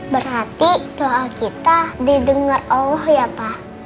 berarti doa kita didengar allah ya pak